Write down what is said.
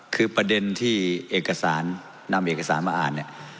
คือประเด็นที่เอกสารนำเอกสารมาอ่านเนี่ย